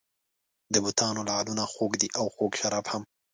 د بتانو لعلونه خوږ دي او خوږ شراب هم.